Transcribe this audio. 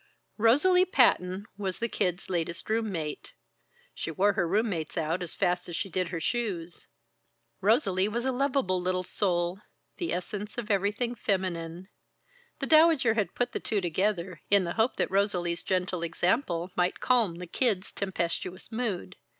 Rosalie Patton was the Kid's latest room mate she wore her room mates out as fast as she did her shoes. Rosalie was a lovable little soul, the essence of everything feminine. The Dowager had put the two together, in the hope that Rosalie's gentle example might calm the Kid's tempestuous mood.